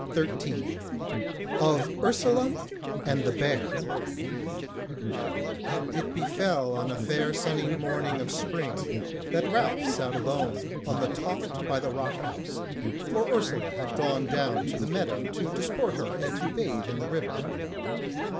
CHAPTER 13 Of Ursula and the Bear It befell on a fair sunny morning of spring, that Ralph sat alone on the toft by the rock house, for Ursula had gone down the meadow to disport her and to bathe in the river.